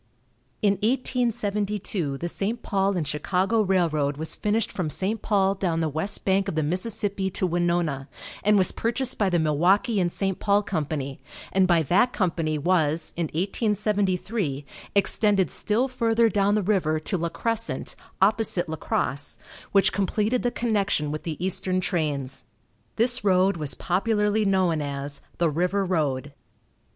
In 1872 the St. Paul & Chicago Railroad was finished from St. Paul down the west bank of the Mississippi to Winona and was purchased by the Milwaukee & St. Paul Company, and by that company was, in 1873, extended still further down the river to La Crescent, opposite to La Crosse, which completed the connection with the eastern trains. This road was popularly known as the "River Road."